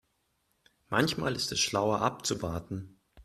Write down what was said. Manchmal ist es schlauer abzuwarten.